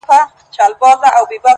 د خبرونو وياند يې ـ